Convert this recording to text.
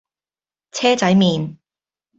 車仔麪